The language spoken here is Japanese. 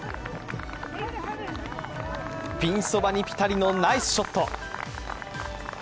ピンそばにぴたりのナイスショット。